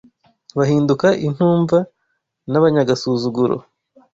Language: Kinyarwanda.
bahinduka intumva n’abanyagasuzuguro